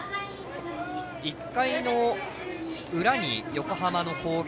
１回の裏に横浜の攻撃